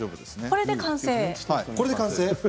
これで完成？